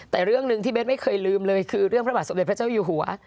แต่เรื่องหนึ่งที่เบสไม่เคยลืมเลยคือเรื่องพระบาทสมเด็จพระเจ้าอยู่หัว